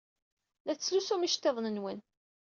La tettlusum iceḍḍiḍen-nwen.